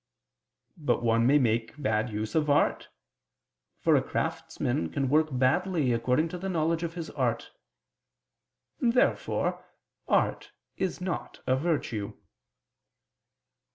But one may make bad use of art: for a craftsman can work badly according to the knowledge of his art. Therefore art is not a virtue.